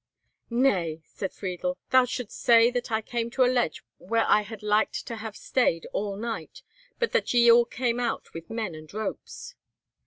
"Nay," said Friedel, "thou shouldst say that I came to a ledge where I had like to have stayed all night, but that ye all came out with men and ropes."